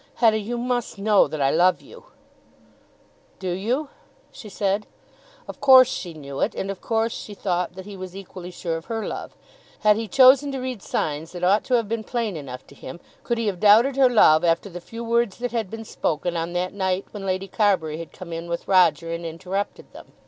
"Hetta, you must know that I love you." "Do you?" she said. Of course she knew it. And of course she thought that he was equally sure of her love. Had he chosen to read signs that ought to have been plain enough to him, could he have doubted her love after the few words that had been spoken on that night when Lady Carbury had come in with Roger and interrupted them?